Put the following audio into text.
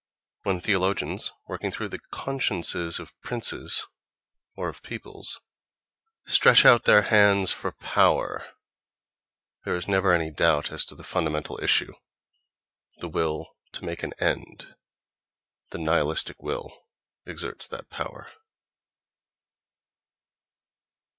When theologians, working through the "consciences" of princes (or of peoples—), stretch out their hands for power, there is never any doubt as to the fundamental issue: the will to make an end, the nihilistic will exerts that power....